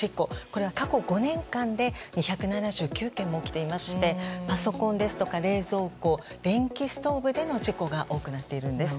これは過去５年間で２７９軒も起きていましてパソコンですとか冷蔵庫電気ストーブでの事故が多くなっているんです。